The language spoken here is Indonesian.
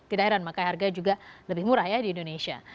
tidak heran maka harga juga lebih murah ya di indonesia